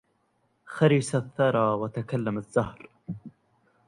خرس الثرى وتكلم الزهر